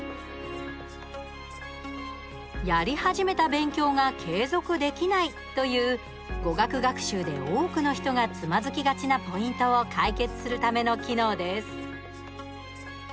やり始めた勉強が継続できないという語学勉強で多くの人がつまずきがちなポイントを解決するための機能です。